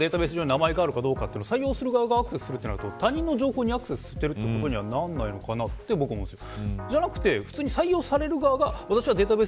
そこの人はデータベース上に名前があるかどうか採用する側がアクセスするということは他人の情報にアクセスすることにならないのかなと思います。